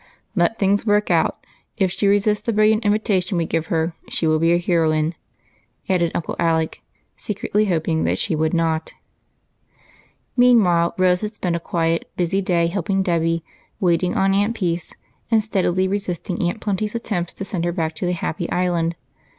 Let things work ; if she resists the brilliant in vitation we give her she will be a heroine," added Uncle Alec, secretly hoping that she would not. Meanwhile Rose had spent a quiet, busy day help ing Dolly, waiting on Aunt Peace, and steadily re sisting Aunt Plenty's attempts to send her back to the happy island.